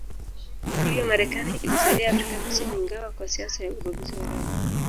Hivyo Marekani ilisaidia Afrika Kusini ingawa kwa siasa ya ubaguzi wa rangi